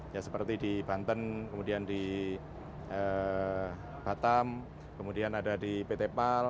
ya seperti di banten kemudian di batam kemudian ada di pt pal